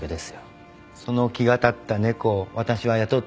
その気が立った猫を私は雇っています。